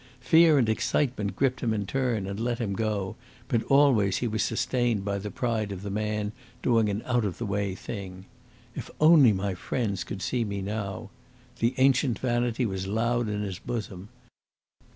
Fear and excitement gripped him in turn and let him go, but always he was sustained by the pride of the man doing an out of the way thing. "If only my friends could see me now!" The ancient vanity was loud in his bosom.